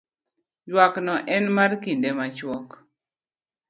ywak no en mar kinde machuok